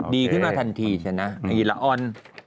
ดีขึ้นมาทันทีใช่ไหมหลีอิ้นละออน